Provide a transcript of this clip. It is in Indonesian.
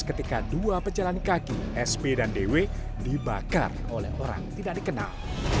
ketika dua pejalan kaki sb dan dw dibakar oleh orang tidak dikenal